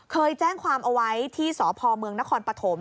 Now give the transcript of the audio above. เคยแจ้งความเอาไว้ที่สพเมืองนครปฐม